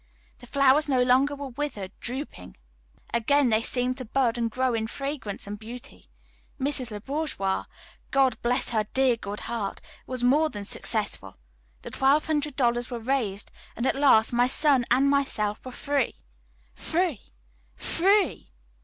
The flowers no longer were withered, drooping. Again they seemed to bud and grow in fragrance and beauty. Mrs. Le Bourgois, God bless her dear good heart, was more than successful. The twelve hundred dollars were raised, and at last my son and myself were free. Free, free!